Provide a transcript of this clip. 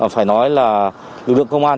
phải nói là lực lượng công an